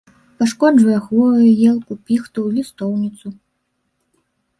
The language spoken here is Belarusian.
Пашкоджвае хвою, елку, піхту, лістоўніцу.